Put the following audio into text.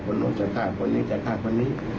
คนนู้นจะฆ่าคนนี้จะฆ่าคนนี้